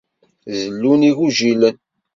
Zellun igujilen.